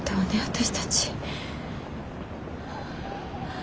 私たち。